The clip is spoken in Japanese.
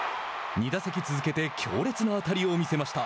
２打席続けて強烈な当たりを見せました。